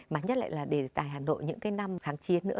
má nhất lại là đề tài hà nội những cái năm kháng chiến nữa